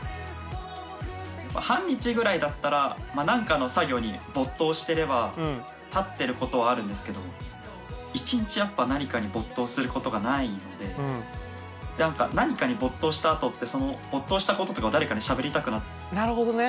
半日ぐらいだったら何かの作業に没頭してればたってることはあるんですけど１日やっぱ何かに没頭することがないので何かに没頭したあとってその没頭したこととかを誰かにしゃべりたくなっちゃうので。